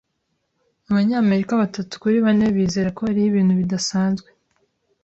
Abanyamerika batatu kuri bane bizera ko hariho ibintu bidasanzwe.